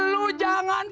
lu jangan tuang